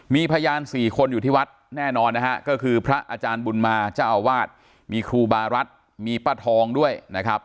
มีพยาน๔คนอยู่ที่วัดแน่นอนนะฮะก็คือพระอาจารย์บุญมาเจ้าอาวาสมีครูบารัฐมีป้าทองด้วยนะครับ